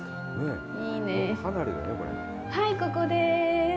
はい、ここです。